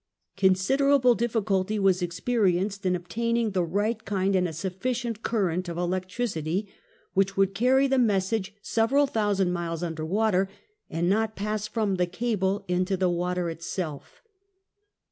Considerable difficulty was experienced in obtaining the right kind, and a sufficient current, of electricity, which would carry the message several thousand miles under water, and not pass from the cable into the water itself.